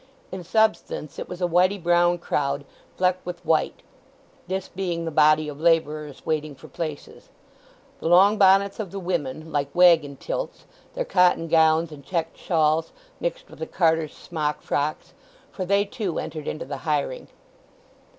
In substance it was a whitey brown crowd flecked with white—this being the body of labourers waiting for places. The long bonnets of the women, like waggon tilts, their cotton gowns and checked shawls, mixed with the carters' smockfrocks; for they, too, entered into the hiring.